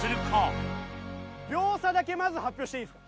秒差だけまず発表していいですか？